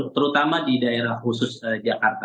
terutama di daerah khusus jakarta